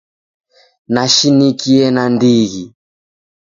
Nashinikie nandighi.